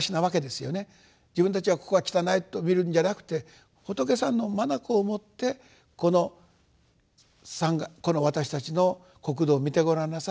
自分たちはここが汚いと見るんじゃなくて「仏さんの眼をもってこの私たちの国土を見てごらんなさい。